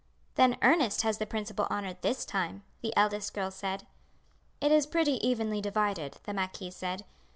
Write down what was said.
"Then Ernest has the principal honour this time," the eldest girl said. "It is pretty evenly divided," the marquis said.